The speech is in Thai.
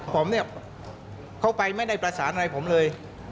ผมเนี่ยเข้าไปไม่ได้ประสานอะไรผมเลย